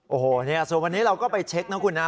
โอ้โหส่วนวันนี้เราก็ไปเช็คนะคุณนะ